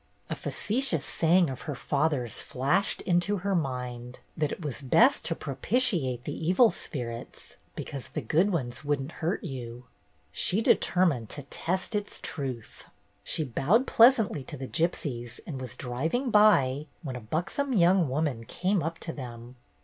A facetious saying of her father's flashed into her mind, that it was best to propitiate the evil spirits because the good ones would n't hurt you. She determined to test its truth. She bowed pleasantly to the gypsies and was driving by, when a buxom young woman came up to them.